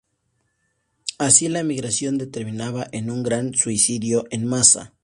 Así, la migración terminaba en un gran suicidio en masa.